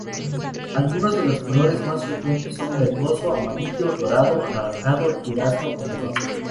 Algunos de los colores más frecuentes son verdoso, amarillo, dorado, anaranjado, durazno o melón.